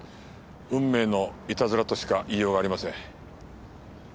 運命のいたずらとしか言いようがありません。